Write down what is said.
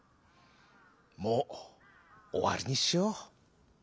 もうおわりにしよう」。